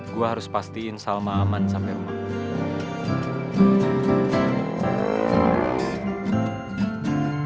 kita bisa berhubung dengan lebih banyak dari apa di anton daftarvit